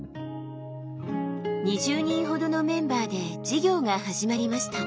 ２０人ほどのメンバーで事業が始まりました。